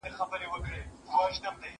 مندوشاه به کاڼه واچول غوږونه